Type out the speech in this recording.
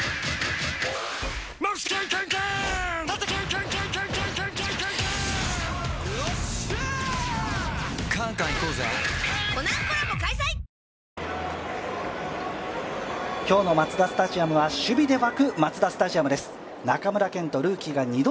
今、走塁ですけれども、今日のマツダスタジアムは守備で沸くマツダスタジアムです。